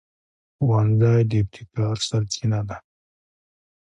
ښوونځی د ابتکار سرچینه ده